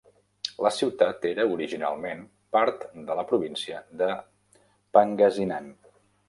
La ciutat era originalment part de la província de Pangasinan.